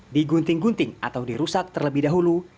digunting gunting atau dirusak terlebih dahulu